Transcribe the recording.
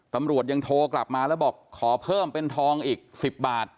ตำรวจยังโทรกลับมาแล้วบอกขอเพิ่มเป็นทองอีก๑๐บาท